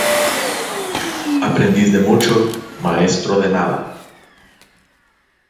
Aprendiz de mucho, maestro de nada